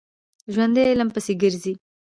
ژوندي علم پسې ګرځي